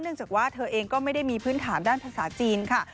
จากว่าเธอเองก็ไม่ได้มีพื้นฐานด้านภาษาจีนค่ะ